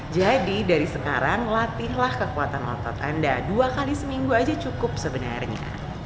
jadi dari sekarang latihlah kekuatan otot anda dua kali seminggu aja cukup sebenarnya